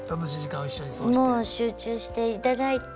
もう集中していただいて。